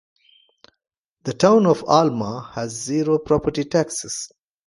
The town of Alma has zero property taxes.